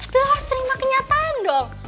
tapi lo harus terima kenyataan dong